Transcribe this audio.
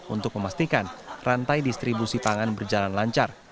untuk memastikan rantai distribusi pangan berjalan lancar